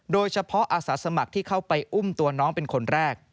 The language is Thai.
โดยเฉพาะอาสาสมัครที่เข้าไปอุ้มตัวน้องเป็นคนแรก